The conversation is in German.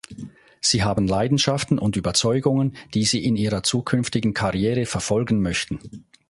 Sie haben Leidenschaften und Überzeugungen, die sie in ihrer zukünftigen Karriere verfolgen möchten.